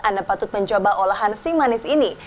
anda patut mencoba olahan si manis ini